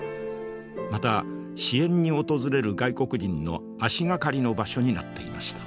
また支援に訪れる外国人の足掛かりの場所になっていました。